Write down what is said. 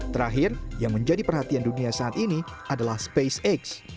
terakhir yang menjadi perhatian dunia saat ini adalah spacex